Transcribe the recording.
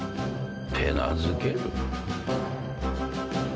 手なずける？